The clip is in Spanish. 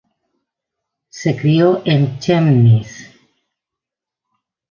Se crio en Chemnitz.